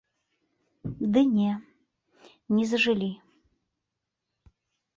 Ды не, не зажылі.